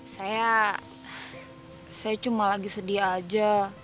saya cuma lagi sedih aja